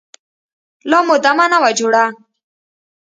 لا مو دمه نه وه جوړه.